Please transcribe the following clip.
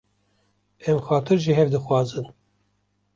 Em xatir ji hev dixwazin.